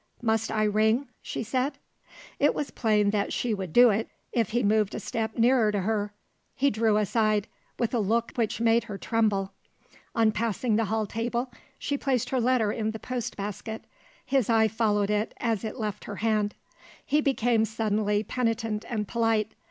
"Must I ring?" she said. It was plain that she would do it, if he moved a step nearer to her. He drew aside with a look which made her tremble. On passing the hall table, she placed her letter in the post basket. His eye followed it, as it left her hand: he became suddenly penitent and polite.